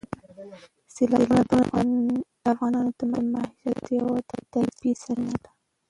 سیلابونه د افغانانو د معیشت یوه طبیعي سرچینه ده.